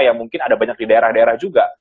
yang mungkin ada banyak di daerah daerah juga